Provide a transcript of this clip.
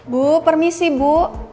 bu permisi bu